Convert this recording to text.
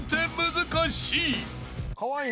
難しい。